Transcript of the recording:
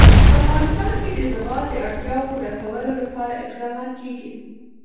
په افغانستان کې د زغال د اړتیاوو پوره کولو لپاره اقدامات کېږي.